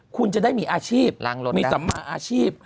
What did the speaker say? คุณจะได้มีอาชีพมีสัมมาอาชีพ